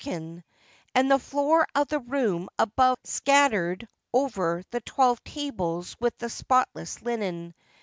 60 THE END OF "WIPERS" and the floor of the room above scattered over the twelve tables with the spotless linen.